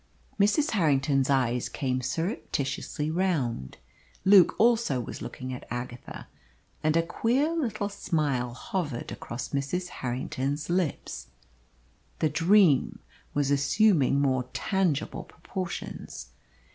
Mrs. Harrington's eyes came surreptitiously round. Luke also was looking at Agatha. And a queer little smile hovered across Mrs. Harrington's lips. The dream was assuming more tangible proportions.